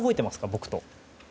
僕と。